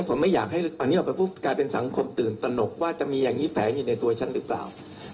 ผมไม่อยากให้สมองยังดันไปเป็นสังคมตื่นตนกว่าจะมีแผงอยู่ในตัวฉันหรือเปล่า